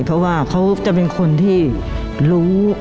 เพราะว่าเขาจะเป็นคนที่รู้